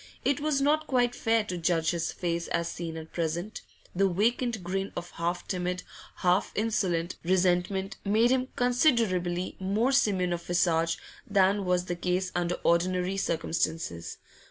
It was not quite fair to judge his face as seen at present; the vacant grin of half timid, half insolent, resentment made him considerably more simian of visage than was the case under ordinary circumstances.